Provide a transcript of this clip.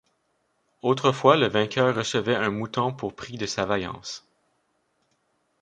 Autrefois, le vainqueur recevait un mouton pour prix de sa vaillance.